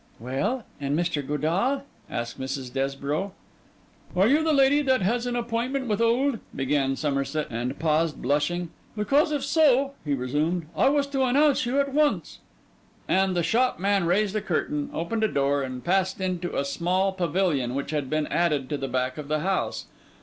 'Well, and Mr. Godall?' asked Mrs. Desborough. 'Are you the lady that has an appointment with old—' began Somerset, and paused blushing. 'Because if so,' he resumed, 'I was to announce you at once.' And the shopman raised a curtain, opened a door, and passed into a small pavilion which had been added to the back of the house.